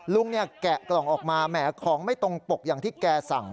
ลุงเนี่ยแกะกล่องออกมาแหมของไม่ตรงปกอย่างที่แกสั่ง